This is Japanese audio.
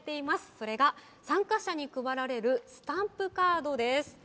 それが、参加者に配られるスタンプカードです。